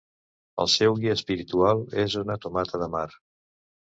El seu guia espiritual és una tomata de mar.